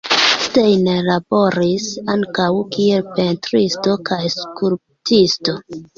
Steiner laboris ankaŭ kiel pentristo kaj skulptisto.